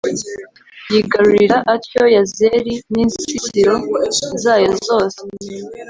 yigarurira atyo yazeri n'insisiro zayo zose